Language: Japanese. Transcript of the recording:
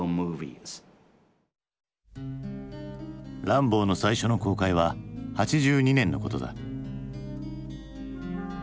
「ランボー」の最初の公開は８２年のことだ。